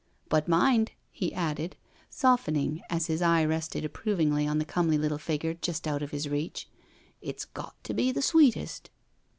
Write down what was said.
But mind," he added, softening as his eye rested approv ingly on the comely little figure just out of his reach^ "it's got to be the sweetest."